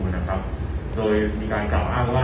โดยมีการกล่าวอ้างว่า